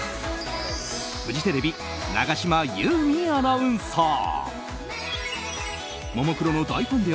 フジテレビ永島優美アナウンサー。